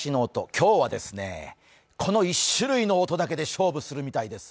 今日は、この１種類の音だけで勝負するみたいです。